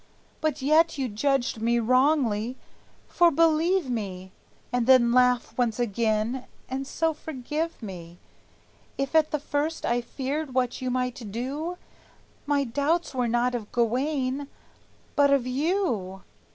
But yet you judged me wrongly, for believe me, (And then laugh once again, and so forgive me), If at the first I feared what you might do, My doubts were not of Gawayne, but of you!"